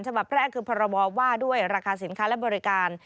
ฉบับแรกคือพรบว่าด้วยราคาสินค้าและบริการ